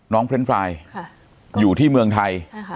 น้องเพล็นต์ไฟล์อยู่ที่เมืองไทย